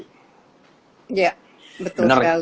iya betul sekali